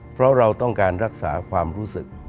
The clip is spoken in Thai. เพราะเราต้องการรักษาความรู้สึก